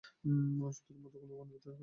সূত্রের মধ্যে কোন ঘনীভূত উপদেশ থাকবে।